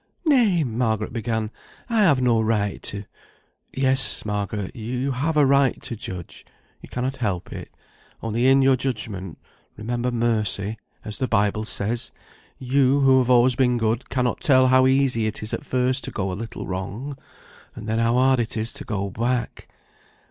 "Nay," Margaret began, "I have no right to " "Yes, Margaret, you have a right to judge; you cannot help it; only in your judgment remember mercy, as the Bible says. You, who have been always good, cannot tell how easy it is at first to go a little wrong, and then how hard it is to go back.